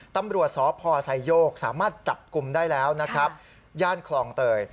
ตำรวจสพไซโยกสามารถจับกลุ่มได้แล้วนะครับย่านคลองเตย